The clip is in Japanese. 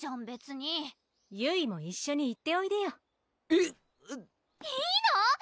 別にゆいも一緒に行っておいでよいっ⁉いいの？